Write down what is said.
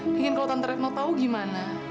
pengen kalau tante retno tahu gimana